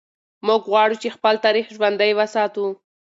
موږ غواړو چې خپل تاریخ ژوندی وساتو.